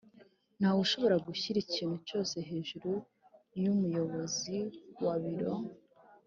ntawe ushobora gushyira ikintu cyose hejuru yumuyobozi wa biro